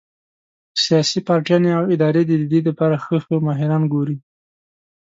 سياسي پارټيانې او ادارې د دې د پاره ښۀ ښۀ ماهران ګوري